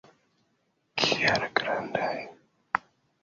Kiaj grandaj!